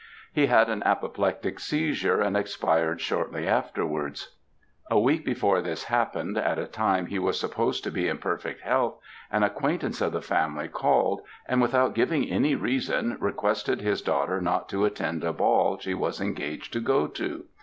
He had an apoplectic seizure, and expired shortly afterwards. A week before this happened, at a time he was supposed to be in perfect health, an acquaintance of the family called, and without giving any reason, requested his daughter not to attend a ball she was engaged to go to.